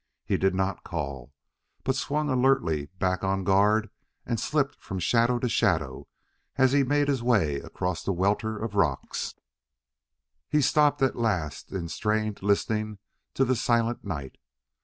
He did not call, but swung alertly back on guard and slipped from shadow to shadow as he made his way across the welter of rocks. He stopped at last in strained listening to the silent night.